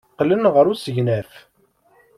Qqlen ɣer usegnaf.